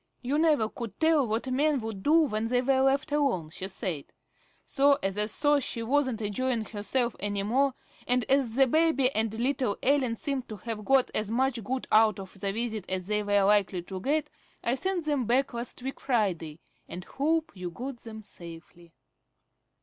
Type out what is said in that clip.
You never could tell what men would do when they were left alone, she said. So, as I saw she wasn't enjoying herself any more, and as the baby and little Ellen seemed to have got as much good out of the visit as they were likely to get, I sent them back last week Friday, and hope you got them safely.